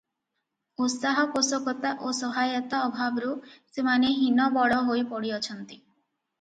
ଉତ୍ସାହପୋଷକତା ଓ ସହାୟତା ଅଭାବରୁ ସେମାନେ ହୀନବଳ ହୋଇ ପଡ଼ିଅଛନ୍ତି ।